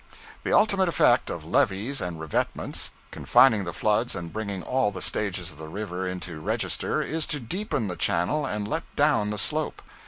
The ultimate effect of levees and revetments confining the floods and bringing all the stages of the river into register is to deepen the channel and let down the slope.